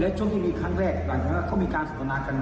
แล้วช่วงที่มีครั้งแรกหลังจากนั้นเขามีการสนทนากันเหมือนเดิม